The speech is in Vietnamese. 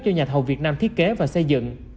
do nhà thầu việt nam thiết kế và xây dựng